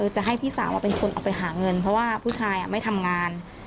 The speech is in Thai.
จะให้พี่สาวเป็นคนออกไปหาเงินเพราะว่าผู้ชายไม่ทำงาน